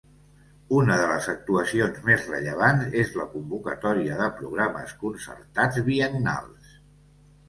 Una de les actuacions més rellevants és la convocatòria de programes concertats biennals.